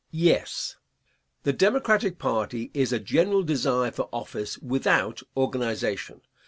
Yes. The Democratic party is a general desire for office without organization.